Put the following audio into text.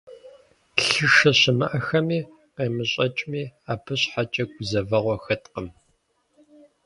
Лъышэ щымыӀэххэми къемэщӀэкӀми, абы щхьэкӀэ гузэвэгъуэ хэткъым.